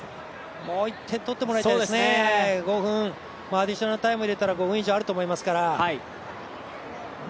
もう１点取ってもらいたいですね、アディショナルタイム入れたら５分以上あると思いますから。